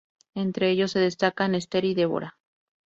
Entre ellos, se destacan "Esther" y "Deborah".